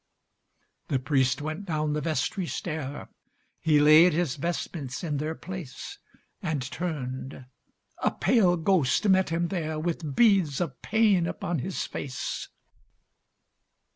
The priest went down the vestry stair, He laid his vestments in their place, And turned—a pale ghost met him there, With beads of pain upon his face.